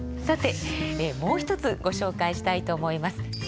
さてもう一つご紹介したいと思います。